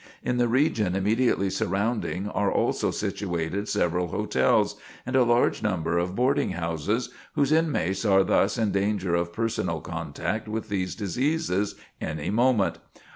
In the region immediately surrounding are also situated several hotels, and a large number of boarding houses, whose inmates are thus in danger of personal contact with these diseases any moment.